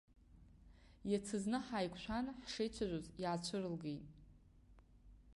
Иацызны ҳаиқәшәан, ҳшеицәажәоз, иаацәырылгеит.